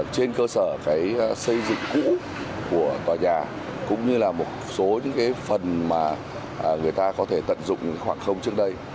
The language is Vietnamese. trên cơ sở xây dựng cũ của tòa nhà cũng như là một số những phần mà người ta có thể tận dụng những khoảng không trước đây